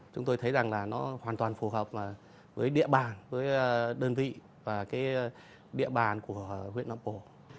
chúng tôi thấy rằng là nó hoàn toàn phù hợp với địa bàn với đơn vị và cái địa bàn của huyện nam bồ